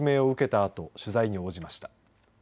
あと取材に応じました。